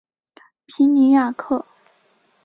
皮尼亚克。